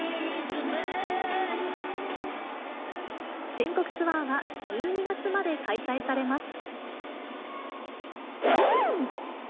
全国ツアーは１２月まで開催されます。